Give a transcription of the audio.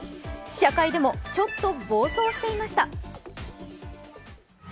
試写会でもちょっと暴走していました。